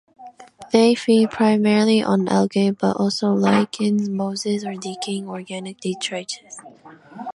They feed primarily on algae, but also lichens, mosses, or decaying organic detritus.